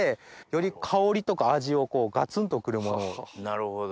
なるほど。